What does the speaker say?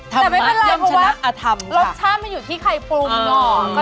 เจ้าเพื่อเราแพ้ทำไมไม่เป็นไรเพราะว่ารสชาติมันอยู่ที่ไข่ปรุงเนอะ